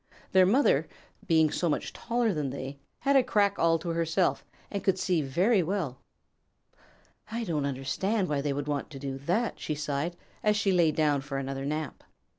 Their mother, being so much taller than they, had a crack all to herself and could see very well. "I don't understand why they want to do that," she sighed, as she lay down for another nap.